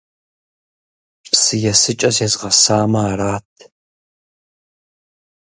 Псы есыкӏэ зезгъэсамэ арат!